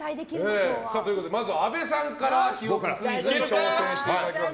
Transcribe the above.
まずは阿部さんから記憶クイズに挑戦していただきます。